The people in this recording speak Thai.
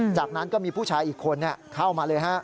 จากนั้นก็มีผู้ชายอีกคนเข้ามาเลยฮะ